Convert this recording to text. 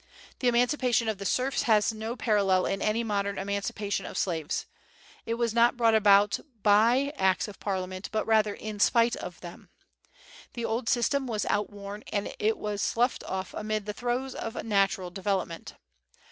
The emancipation of the serfs has no parallel in any modern emancipation of slaves. It was not brought about by acts of parliament, but rather in spite of them. The old system was outworn and was sloughed off amid the throes of natural development.